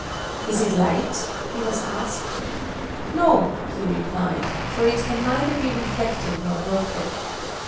"Is it light?" he was asked. "No," he replied, "for it can neither be reflected nor broken."